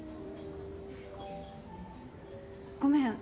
ごめん。